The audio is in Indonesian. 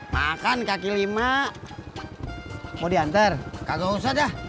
makan kaki lima mau diantar kalau saja